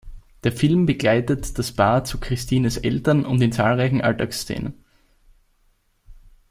Der Film begleitet das Paar zu Christines Eltern und in zahlreichen Alltagsszenen.